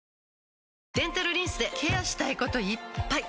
デンタルリンスでケアしたいこといっぱい！